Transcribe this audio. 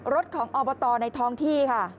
รถของออร์โบตอร์ในท้องที่ค่ะ